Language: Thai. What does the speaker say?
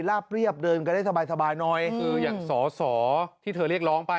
ลาบเรียบเดินกันได้สบายหน่อยคืออย่างสอสอที่เธอเรียกร้องไป